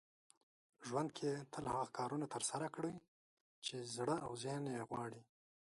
ژوند کې تل هغه کارونه ترسره کړئ چې زړه او ذهن يې غواړي .